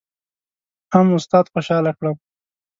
هم استاد خوشحاله کړم.